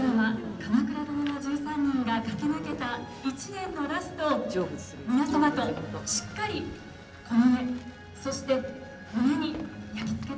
「鎌倉殿の１３人」が駆け抜けた１年のラストを皆様としっかりこの目そして胸に焼き付けて。